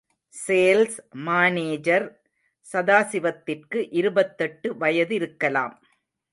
Sales manager சதாசிவத்திற்கு இருபத்தெட்டு வயதிருக்கலாம்.